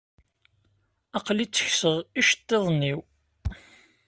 Aql-i ttekseɣ iceṭṭiḍen-iw.